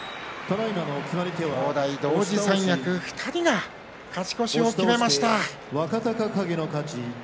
兄弟同時三役２人が勝ち越しを決めました。